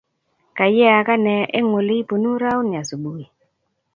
kayeaka nee eng weliipunuu rauni asubui